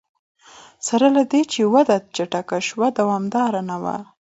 سره له دې چې وده چټکه شوه دوامداره نه وه.